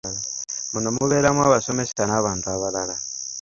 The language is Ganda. Muno mubeeramu abasomesa n'abantu abalala.